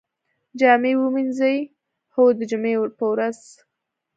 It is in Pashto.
جامی ومینځئ؟ هو، د جمعې په ورځ